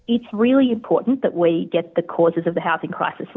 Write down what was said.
itu sebabnya kami ingin mengatasi krisis ini